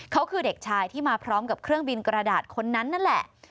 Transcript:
เขาคือเด็กชายที่มาพร้อมกับเครื่องบินกระดาษคนนั้นนั่นแหละ